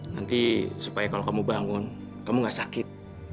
nanti supaya kalau kamu bangun kamu gak sakit